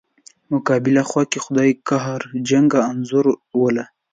مقابله خوا کې خدای قهرجنه انځوروله.